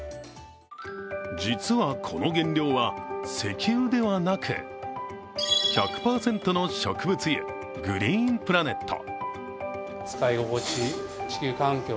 実は、この原料は石油ではなく１００％の植物油、グリーンプラネット。